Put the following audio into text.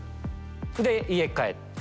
で家帰って。